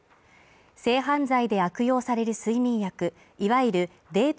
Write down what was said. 性犯罪で悪用される睡眠薬いわゆるデート